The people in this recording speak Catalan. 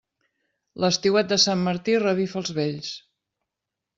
L'estiuet de sant Martí revifa els vells.